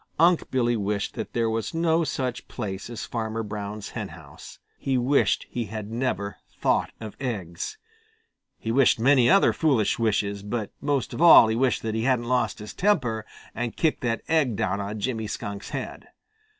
Unc' Billy wished that there was no such place as Farmer Brown's henhouse. He wished he had never thought of eggs. He wished many other foolish wishes, but most of all he wished that he hadn't lost his temper and kicked that egg down on Jimmy Skunk's head.